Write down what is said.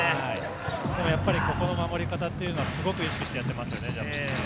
ここの守り方はすごく意識してやっていますね。